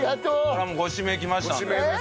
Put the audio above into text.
これはもうご指名きましたので。